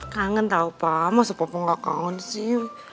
kangen tau papa sepapu nggak kangen sih